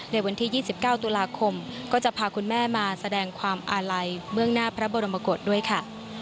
ในวันที่๒๙ตุลาคมก็จะพาคุณแม่มาแสดงความอาลัยเบื้องหน้าพระบรมกฏด้วยค่ะ